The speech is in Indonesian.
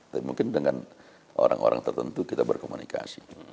tapi mungkin dengan orang orang tertentu kita berkomunikasi